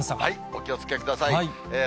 お気をつけください。